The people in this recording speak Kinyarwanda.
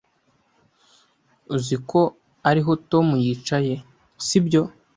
Uzi ko ariho Tom yicaye, sibyo?